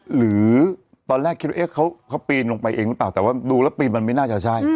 หรือตอนแรกคิดว่าเขาปีนลงไปเองหรือเปล่าแต่ว่าดูแล้วปีนมันไม่น่าจะใช่